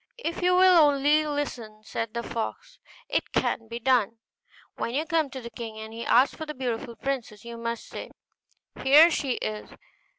'If you will only listen,' said the fox, 'it can be done. When you come to the king, and he asks for the beautiful princess, you must say, "Here she is!"